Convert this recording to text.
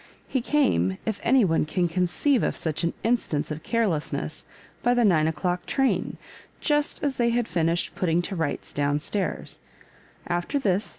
He came, if any one can conceive of such an instance of carelessness, by the nine o'clock train, just as they had finished putting to rights down staira After this.